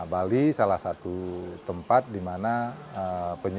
nah bali salah satu tempat di mana ya kita bisa berpengalaman dengan penyu